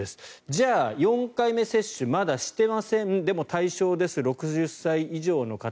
じゃあ４回目接種まだしてませんでも対象です、６０歳以上の方。